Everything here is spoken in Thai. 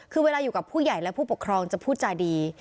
คือเวลาอยู่กับผู้ใหญ่และผู้ปกครองจะพูดจาดี